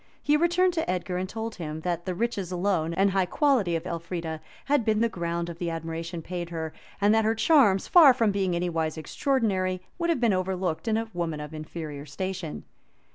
He returned to Edgar, and told him, that the riches alone, and high quality of Elfrida, had been the ground of the admiration paid her, and that her charms, far from being any wise extraordinary would have been overlooked in a woman of inferior station.